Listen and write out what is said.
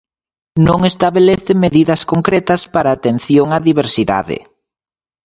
Non estabelece medidas concretas para a atención á diversidade.